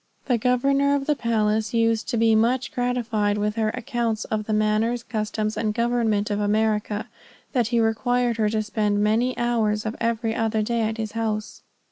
The governor of the palace used to be so much gratified with her accounts of the manners, customs and government of America, that he required her to spend many hours of every other day at his house.